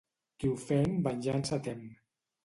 Qui ofèn venjança tem.